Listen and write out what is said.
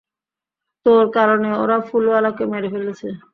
তোর কারণে ওরা ফুলওয়াকে মেরে ফেলেছে।